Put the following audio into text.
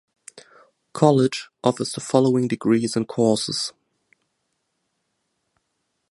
College offers the following degrees and courses.